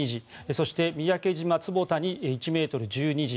そして、三宅島坪田に１ｍ、１２時。